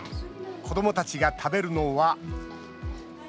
子どもたちが食べるのは。